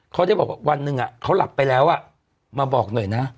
เขาได้บอกว่าวันหนึ่งเขาหลับไปแล้วมาบอกหน่อยนะ